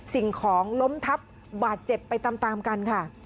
สิ่งของล้มทับบาดเจ็บไปตามกันค่ะ